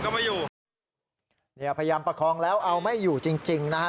พยายามประคองแล้วเอาไม่อยู่จริงนะฮะ